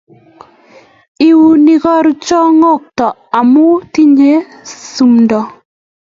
Iuni karucho ngwokto amu tindo simdo